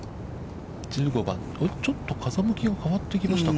１５番、ちょっと風向きが変わってきましたか？